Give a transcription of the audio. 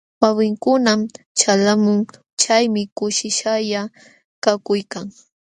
Wawinkunam ćhalqamun, chaymi kushishqalla kakuykan.